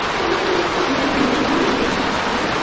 সে খুব ধৈর্যশীল বলে মনে হচ্ছে না, স্যার।